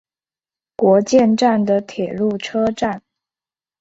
国见站的铁路车站。